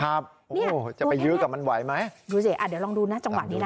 โอ้โหจะไปยื้อกับมันไหวไหมดูสิอ่ะเดี๋ยวลองดูนะจังหวะนี้นะ